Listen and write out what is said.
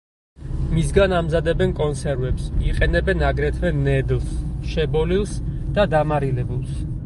მისგან ამზადებენ კონსერვებს, იყენებენ აგრეთვე ნედლს, შებოლილს და დამარილებულს.